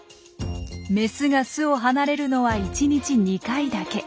メスが巣を離れるのは１日２回だけ。